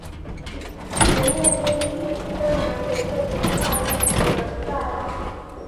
节目编剧专门给这种大衣起了代号。